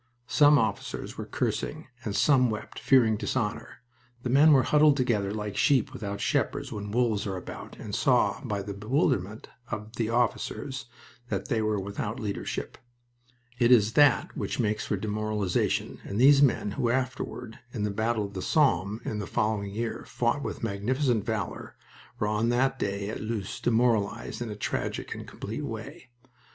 Some officers were cursing, and some wept, fearing dishonor. The men were huddled together like sheep without shepherds when wolves are about, and saw by the bewilderment of the officers that they were without leadership. It is that which makes for demoralization, and these men, who afterward in the battle of the Somme in the following year fought with magnificent valor, were on that day at Loos demoralized in a tragic and complete way.